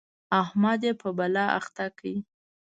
احمد يې په بلا اخته کړ.